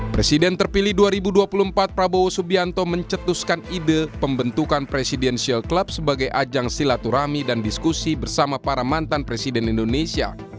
presiden terpilih dua ribu dua puluh empat prabowo subianto mencetuskan ide pembentukan presidensial club sebagai ajang silaturahmi dan diskusi bersama para mantan presiden indonesia